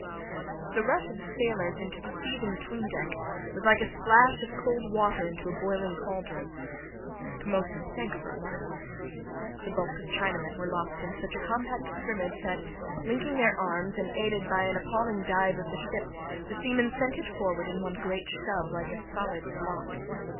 The rush of the sailors into the seething 'tween deck was like a splash of cold water into a boiling cauldron. The commotion sank for a moment. The bulk of Chinamen were locked in such a compact scrimmage that, linking their arms and aided by an appalling dive of the ship, the seamen sent it forward in one great shove, like a solid block.